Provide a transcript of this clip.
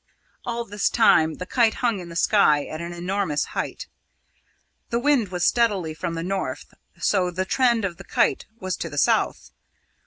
All this time the kite hung in the sky at an enormous height. The wind was steadily from the north, so the trend of the kite was to the south.